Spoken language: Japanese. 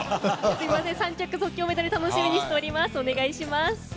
すみません即興メドレー楽しみにしております！